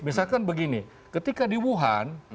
misalkan begini ketika di wuhan